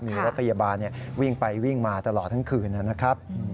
มีรถพยาบาลวิ่งไปวิ่งมาตลอดทั้งคืนนะครับ